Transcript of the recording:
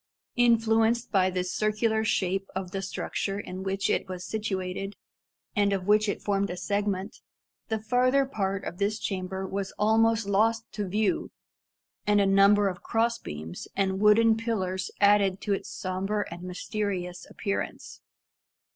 Influenced by the circular shape of the structure in which it was situated, and of which it formed a segment, the farther part of this chamber was almost lost to view, and a number of cross beams and wooden pillars added to its sombre and mysterious appearance.